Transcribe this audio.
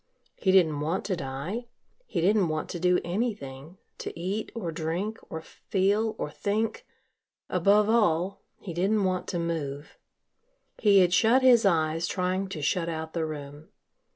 He didn't want to die, he didn't want to do anything, to eat or drink or feel or think above all, he didn't want to move. He had shut his eyes trying to shut out the room.